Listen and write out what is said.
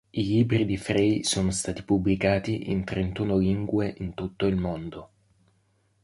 I libri di Frey sono stati pubblicati in trentuno lingue in tutto il mondo.